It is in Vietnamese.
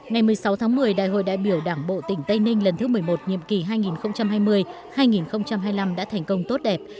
ngày một mươi sáu tháng một mươi đại hội đại biểu đảng bộ tỉnh tây ninh lần thứ một mươi một nhiệm kỳ hai nghìn hai mươi hai nghìn hai mươi năm đã thành công tốt đẹp